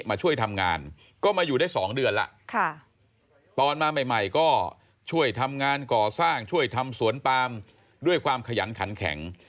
มาช่วยทำงานก็มาอยู่ได้๒เดือนแล้วตอนมาใหม่ก็ช่วยทำงานก่อสร้างช่วยทำสวนปามด้วยความขยันขันแข็ง